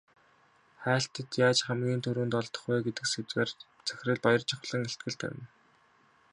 Хайлтад яаж хамгийн түрүүнд олдох вэ гэдэг сэдвээр захирал Баяржавхлан илтгэл тавина.